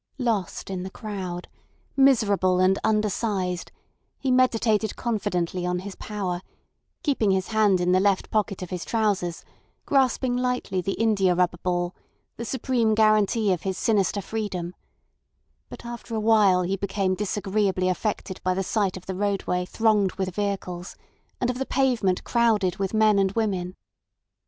Lost in the crowd, miserable and undersized, he meditated confidently on his power, keeping his hand in the left pocket of his trousers, grasping lightly the india rubber ball, the supreme guarantee of his sinister freedom; but after a while he became disagreeably affected by the sight of the roadway thronged with vehicles and of the pavement crowded with men and women.